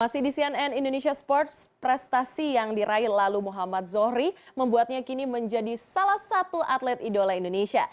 masih di cnn indonesia sports prestasi yang diraih lalu muhammad zohri membuatnya kini menjadi salah satu atlet idola indonesia